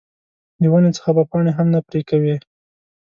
د ونې څخه به پاڼه هم نه پرې کوې.